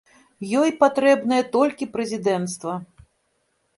Ёй патрэбнае толькі прэзідэнцтва.